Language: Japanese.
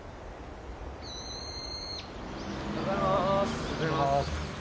おはようございます。